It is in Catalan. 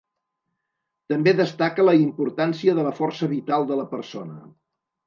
També destaca la importància de la força vital de la persona.